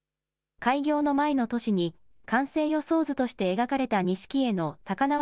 開業の前の年に完成予想図として描かれた錦絵の高縄